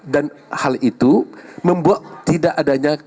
dan hal itu membuat tidak adanya